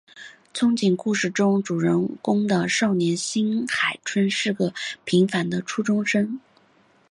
憧憬故事中主人公的少年新海春是个平凡的初中生。